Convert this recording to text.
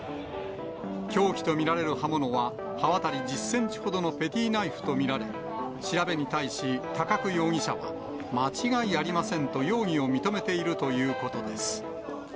凶器と見られる刃物は、刃渡り１０センチほどのペティナイフと見られ、調べに対し、高久容疑者は、間違いありませんと容疑を認めているということです。